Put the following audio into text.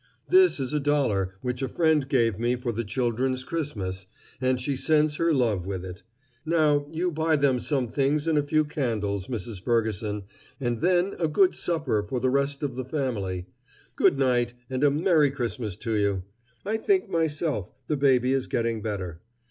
"This is a dollar which a friend gave me for the children's Christmas, and she sends her love with it. Now, you buy them some things and a few candles, Mrs. Ferguson, and then a good supper for the rest of the family. Good night, and a Merry Christmas to you. I think myself the baby is getting better."